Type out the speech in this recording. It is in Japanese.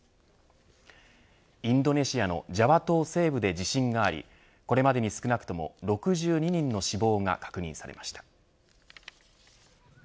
インドネシアのジャワ島西部で地震がありこれまでに少なくとも６２人の死亡が確認されました。